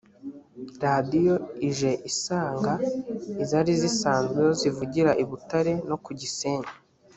radiyo ije isanga izari zisanzweho zivugira i butare no ku gisenyi